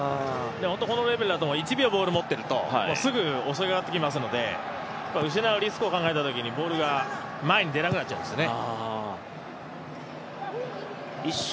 本当にこのレベルだと１秒ボールを持っているとすぐ相手が襲ってきますので失うリスクを考えたときに前に出られなくなっちゃうんですよね。